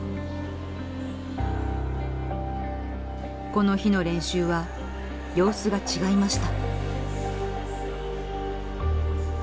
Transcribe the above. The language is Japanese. この日の練習は様子が違いました。